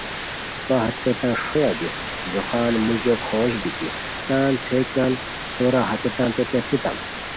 اِسپہ ہیتان ݰویہ بی ځوخان موژو کھوشت بیتی تان تھوویکان سورا ہیتانتے پیڅھیتام